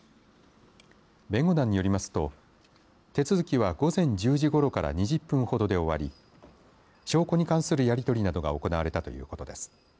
弁護団によりますと手続きは午前１０時ごろから２０分ほどで終わり証拠に関するやりとりなどが行われたということです。